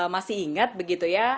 masih ingat begitu ya